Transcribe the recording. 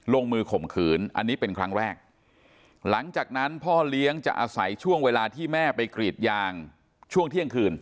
ลงมือข่มขืนอันนี้เป็นครั้งแรกหลังจากนั้นพ่อเลี้ยงจะอาศัยช่วงเวลาที่แม่ไปกรีดยางช่วงเที่ยงคืน